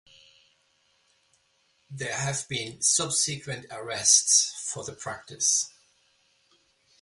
There have been subsequent arrests for the practice.